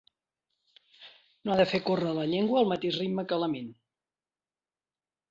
No ha de fer córrer la llengua al mateix ritme que la ment.